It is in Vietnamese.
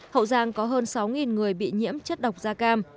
hậu giang có hơn sáu người bị nhiễm chất độc da cam